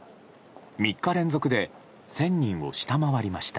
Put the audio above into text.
３日連続で１０００人を下回りました。